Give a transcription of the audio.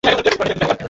আমরা প্রার্থনা করব!